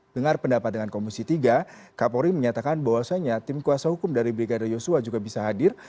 dengar pendapat dengan komisi tiga kapolri menyatakan bahwasannya tim kuasa hukum dari brigadir yosua juga bisa hadir